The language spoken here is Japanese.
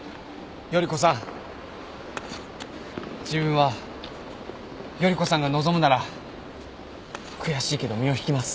依子さん自分は依子さんが望むなら悔しいけど身を引きます。